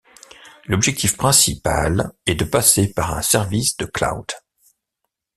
L'objectif principal est de passer par un service de cloud.